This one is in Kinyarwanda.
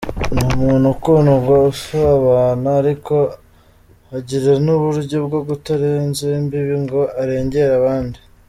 Ni umuntu ukundwa, usabana ariko akagira n’uburyo bwo kutarenza imbibi ngo arengere abandi.